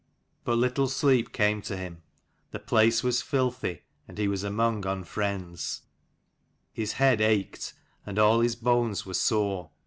But little sleep came to him : the place was filthy, and he was among unfriends ; his head ached and all his bones were sore.